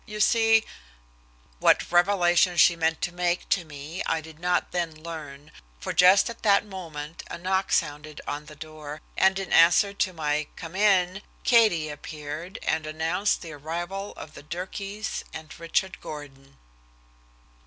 "You see " What revelation she meant to make to me I did not then learn, for just at that moment a knock sounded on the door, and in answer to my "come in," Katie appeared and announced the arrival of the Durkees and Richard Gordon.